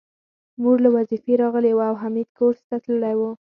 مور له وظيفې راغلې وه او حميد کورس ته تللی و